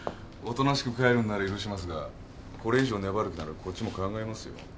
おとなしく帰るんなら許しますがこれ以上粘る気ならこっちも考えますよ。